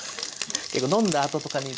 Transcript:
結構飲んだあととかに。